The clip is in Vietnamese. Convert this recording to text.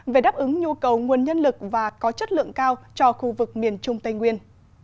về đáp ứng nhu cầu nguồn nhân lực và có chất lượng cao cho khu vực miền trung tây nguyên